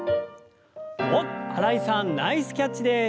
おっ新井さんナイスキャッチです！